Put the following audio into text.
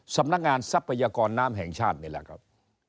สำนักงานทรัพยากรน้ำแห่งชาตินี่แหละครับ